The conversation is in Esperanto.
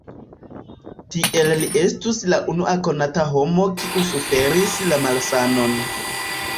Tiel li estus la unua konata homo kiu suferis la malsanon.